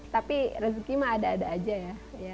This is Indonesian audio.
tapi rezeki mah ada ada aja ya